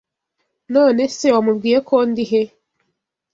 None se wamubwiye ko ndi he?”